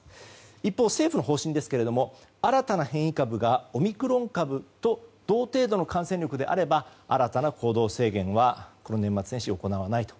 一方、政府の方針ですが新たな変異株がオミクロン株と同程度の感染力であれば新たな行動制限はこの年末年始、行わないと。